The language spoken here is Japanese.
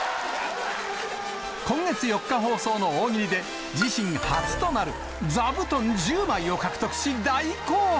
今月４日放送の大喜利で、自身初となる座布団１０枚を獲得し、大興奮。